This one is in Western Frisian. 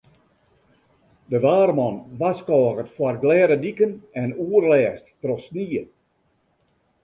De waarman warskôget foar glêde diken en oerlêst troch snie.